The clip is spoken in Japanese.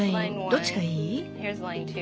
どっちがいい？